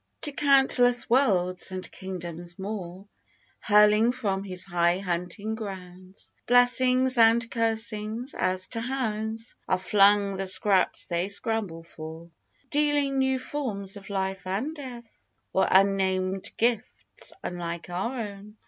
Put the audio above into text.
65 To countless worlds and kingdoms more Hurling, from His high hunting grounds Blessings and curses, as to hounds Are flung the scraps they scramble for — Dealing new forms of Life and Death, Or unnamed gifts, unlike our own.